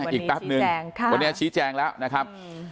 แป๊บนึงวันนี้ชี้แจงแล้วนะครับ